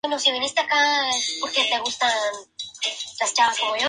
A pesar ser diestro, es capaz de jugar en ambos lados del campo.